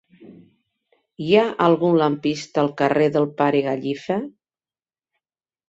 Hi ha algun lampista al carrer del Pare Gallifa?